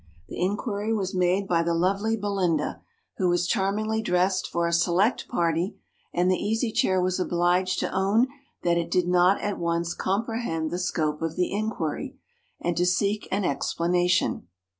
The inquiry was made by the lovely Belinda, who was charmingly dressed for a select party, and the Easy Chair was obliged to own that it did not at once comprehend the scope of the inquiry, and to seek an explanation.